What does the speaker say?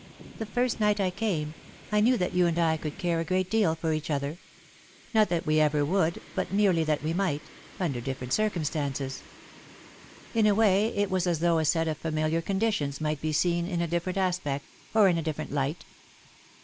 The first night I came, I knew that you and I could care a great deal for each other not that we ever would, but merely that we might, under different circumstances. In a way, it was as though a set of familiar conditions might be seen in a different aspect, or in a different light."